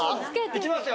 いきますよ